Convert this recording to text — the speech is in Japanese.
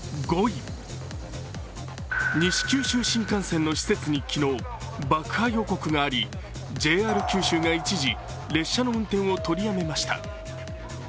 西九州新幹線の施設に昨日爆破予告がありＪＲ九州が一時、列車の運転を取りやめました。